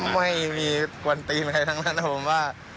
ไม่มีกว่านตีใครทั้งนั้นผมว่า